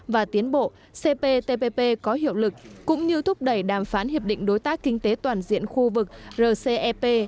và tiến bộ cptpp có hiệu lực cũng như thúc đẩy đàm phán hiệp định đối tác kinh tế toàn diện khu vực rcep